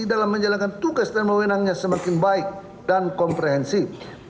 dalam menjalankan tugas dan mewenangnya semakin baik dan komprehensif